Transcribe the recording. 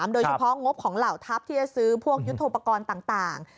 โดยเฉพาะงบของเหล่าทัพที่จะซื้อพวกยุทธโปรกรณ์ต่าง